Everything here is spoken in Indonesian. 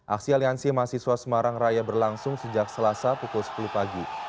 aksi aliansi mahasiswa semarang raya berlangsung sejak selasa pukul sepuluh pagi